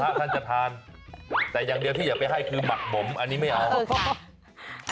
พระท่านจะทานแต่อย่างเดียวที่อย่าไปให้คือหมักหมมอันนี้ไม่เอา